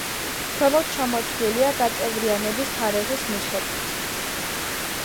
ქვემოთ ჩამოთვლილია გაწევრიანების თარიღის მიხედვით.